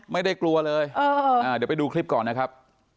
ไม่ได้กลัวเลยเดี๋ยวไปดูคลิปก่อนนะครับ